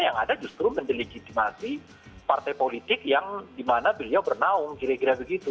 yang ada justru mendelegitimasi partai politik yang dimana beliau bernaung kira kira begitu